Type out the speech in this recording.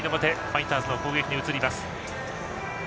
ファイターズの攻撃に移ります。